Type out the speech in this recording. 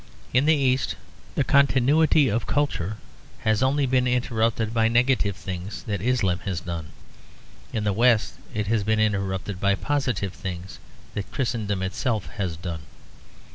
In the East the continuity of culture has only been interrupted by negative things that Islam has done. In the West it has been interrupted by positive things that Christendom itself has done.